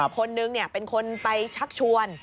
คนนึงเป็นคนไปชักชวน